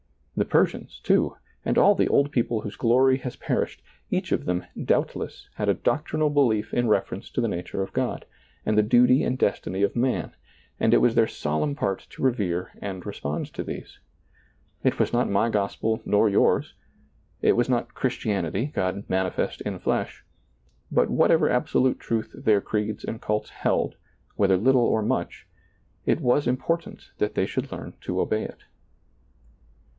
The Persians, too, and all the old people whose glory has per ished, each of them, doubtless, had a doctrinal belief in reference to the nature of God, and the duty and destiny of man, and it was their solemn DiailizccbvGoOgle J4 SEEING DARKLY part to revere and respond to these. It was not my gospel nor yours; it was not Christianity, God manifest in flesh; but whatever absolute truth their creeds and cults held, whether little or much, it was important that they should learn to obey it.